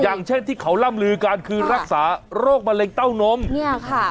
อย่างเช่นที่เขาล่ำลือกันคือรักษาโรคมะเร็งเต้านมเนี่ยค่ะ